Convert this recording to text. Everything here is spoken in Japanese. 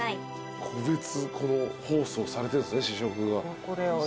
個別包装されてるんですね試食が。